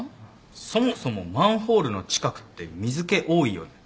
そもそもマンホールの近くって水気多いよね。